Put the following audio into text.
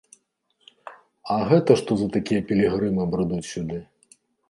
А гэта што за такія пілігрымы брыдуць сюды?